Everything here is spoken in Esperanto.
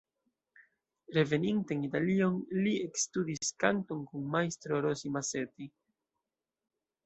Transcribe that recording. Reveninte en Italion li ekstudis kanton kun Majstro Rossi-Masetti.